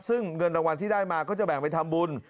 ซึ่งเงินรางวัลที่ได้มาก็จะแบ่งไปทำบุญ